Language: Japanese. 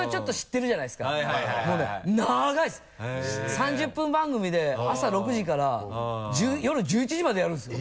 ３０分番組で朝６時から夜１１時までやるんですよ。